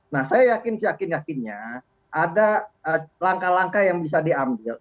nah saya yakin seyakin yakinnya ada langkah langkah yang bisa diambil